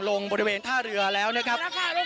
ลงบริเวณท่าเรือแล้วนะครับ